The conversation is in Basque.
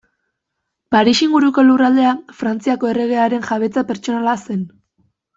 Paris inguruko lurraldea Frantziako erregearen jabetza pertsonala zen.